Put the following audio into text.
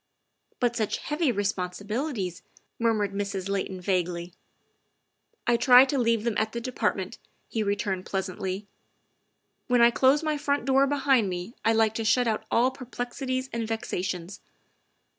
" But such heavy responsibilities," murmured Mrs. Layton vaguely. '' I try to leave them at the Department, '' he returned pleasantly. " When I close my front door behind me I like to shut out all perplexities and vexations.